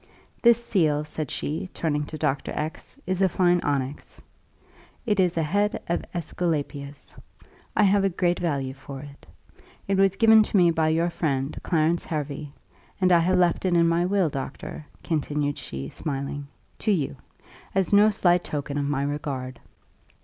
"This seal," said she, turning to Dr. X , "is a fine onyx it is a head of Esculapius. I have a great value for it. It was given to me by your friend, Clarence Hervey; and I have left it in my will, doctor," continued she, smiling, "to you, as no slight token of my regard.